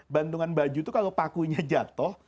gantungan baju tuh kalau pakunya jatoh